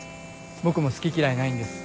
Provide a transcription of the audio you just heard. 僕も好き嫌いないんです